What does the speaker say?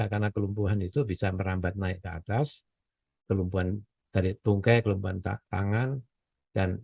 karena kelumpuhan itu bisa merambat naik ke atas kelumpuhan dari tungkai kelumpuhan tangan dan